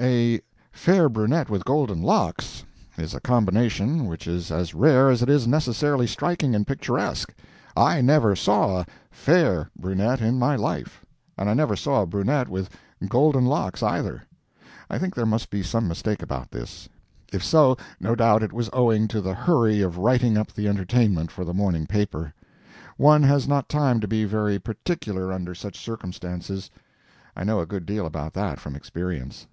A "fair brunette with golden locks" is a combination which is as rare as it is necessarily striking and picturesque. I never saw a "fair" brunette in my life. And I never saw a brunette with golden locks, either. I think there must be some mistake about this. If so, no doubt it was owing to the hurry of writing up the entertainment for the morning paper. One has not time to be very particular under such circumstances. I know a good deal about that from experience.